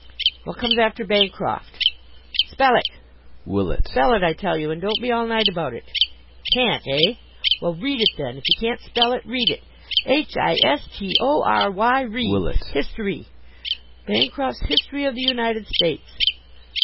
What comes after Bancroft? Spell it! Spell it, I tell you, and don't be all night about it! Can't, eh? Well, read it then; if you can't spell it, read it. H i s t o r y ry, history; Bancroft's History of the United States!